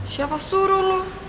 siapa suruh lo